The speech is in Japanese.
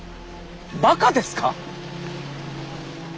バカですか？